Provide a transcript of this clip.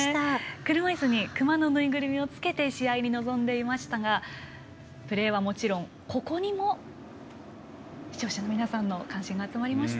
車いすにクマのぬいぐるみをつけて試合に臨んでいましたがプレーはもちろんここにも、視聴者の皆さんの関心が集まりました。